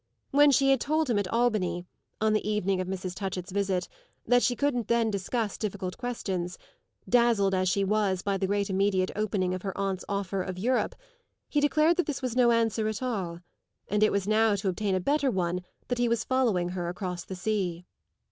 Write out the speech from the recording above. When she had told him at Albany, on the evening of Mrs. Touchett's visit, that she couldn't then discuss difficult questions, dazzled as she was by the great immediate opening of her aunt's offer of "Europe," he declared that this was no answer at all; and it was now to obtain a better one that he was following her across the sea.